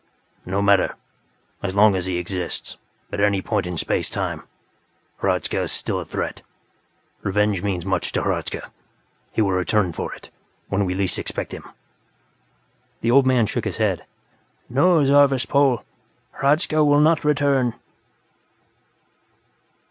"No matter. As long as he exists, at any point in space time, Hradzka is still a threat. Revenge means much to Hradzka; he will return for it, when we least expect him." The old man shook his head. "No, Zarvas Pol, Hradzka will not return."